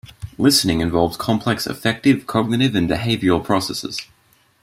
Listening involves complex affective, cognitive, and behavioral processes.